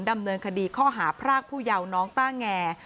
ดำเนินคดีข้อหาพรากผู้เยาว์น้องต้าแง